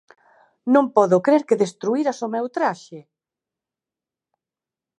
Non podo crer que destruíras o meu traxe!